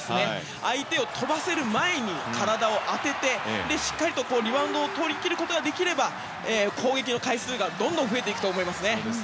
相手を飛ばせる前に体を当ててしっかりとリバウンドを取りきることができれば攻撃の回数がどんどん増えていくと思いますね。